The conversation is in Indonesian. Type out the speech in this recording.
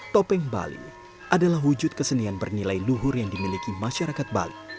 topeng bali adalah wujud kesenian bernilai luhur yang dimiliki masyarakat bali